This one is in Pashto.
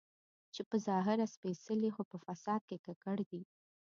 چې په ظاهره سپېڅلي خو په فساد کې ککړ دي.